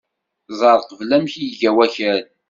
Ẓer qbel amek i iga wakal.